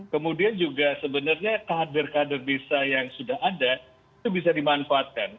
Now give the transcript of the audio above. kemudian juga sebenarnya kader kader desa yang sudah ada itu bisa dimanfaatkan